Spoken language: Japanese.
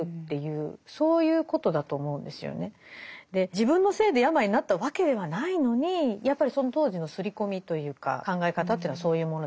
自分のせいで病になったわけではないのにやっぱりその当時の刷り込みというか考え方というのはそういうものだった。